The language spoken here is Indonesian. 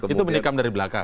itu menikam dari belakang